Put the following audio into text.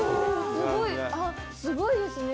すごいすごいですね！